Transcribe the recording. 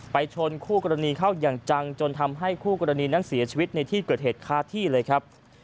ชนคู่กรณีเข้าอย่างจังจนทำให้คู่กรณีนั้นเสียชีวิตในที่เกิดเหตุค้าที่เลยครับ